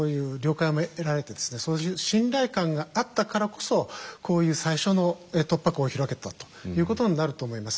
そういう信頼感があったからこそこういう最初の突破口を開けたということになると思います。